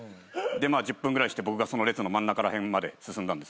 １０分ぐらいして僕がその列の真ん中ら辺まで進んだんです。